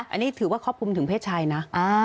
อันนี้ถือว่าครอบคลุมถึงเพศชายนะ